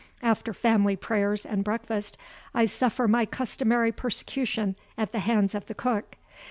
After family prayers and breakfast I suffer my customary persecution at the hands of the cook.